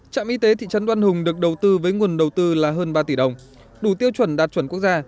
trạm y tế thị trấn đoan hùng được đầu tư với nguồn đầu tư là hơn ba tỷ đồng đủ tiêu chuẩn đạt chuẩn quốc gia